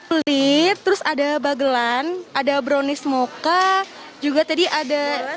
kulit terus ada bagelan ada brownies moka juga tadi ada